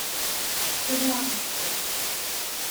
Selon Aristote,